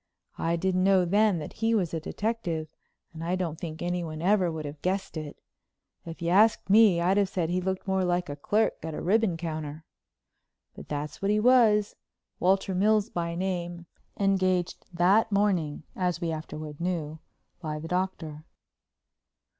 I didn't know then that he was a detective, and I don't think anyone ever would have guessed it. If you'd asked me I'd have said he looked more like a clerk at the ribbon counter. But that's what he was, Walter Mills by name, engaged that morning, as we afterward knew, by the Doctor.